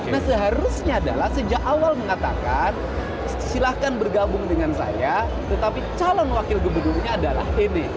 nah seharusnya adalah sejak awal mengatakan silahkan bergabung dengan saya tetapi calon wakil gubernurnya adalah ini